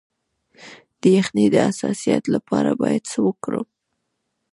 د یخنۍ د حساسیت لپاره باید څه وکړم؟